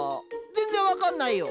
全然分かんないよ！